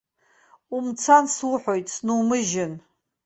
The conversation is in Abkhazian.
Умцан, суҳәоит, снумыжьын.